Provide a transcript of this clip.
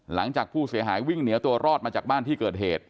หลังจากผู้เสียหายวิ่งเหนียวตัวรอดมาจากบ้านที่เกิดเหตุ